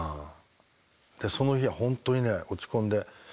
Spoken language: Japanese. でその日本当にね落ち込んで。